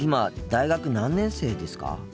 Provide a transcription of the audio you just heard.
大学３年生です。